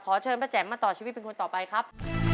เชิญป้าแจ๋มมาต่อชีวิตเป็นคนต่อไปครับ